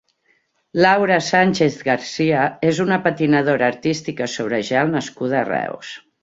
Laura Sánchez García és una patinadora artística sobre gel nascuda a Reus.